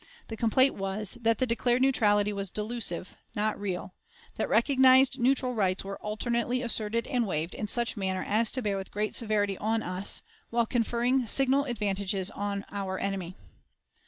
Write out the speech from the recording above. The complaint was, that the declared neutrality was delusive, not real; that recognized neutral rights were alternately asserted and waived in such manner as to bear with great severity on us, while conferring signal advantages on our enemy.